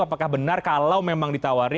apakah benar kalau memang ditawari